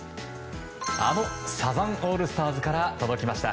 あのサザンオールスターズから届きました。